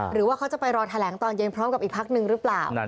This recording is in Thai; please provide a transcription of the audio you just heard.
หรือว่าเขาจะไปรอแถลงตอนเย็นพร้อมกับอีกพักหนึ่งหรือเปล่า